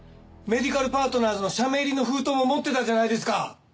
メディカルパートナーズの社名入りの封筒も持ってたじゃないですか。